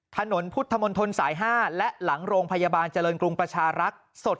ถนนพุทธมนตรสาย๕และหลังโรงพยาบาลเจริญกรุงประชารักษ์สด